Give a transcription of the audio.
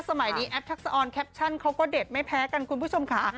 สมัยนี้แอปทักษะออนแคปชั่นเขาก็เด็ดไม่แพ้กันคุณผู้ชมค่ะ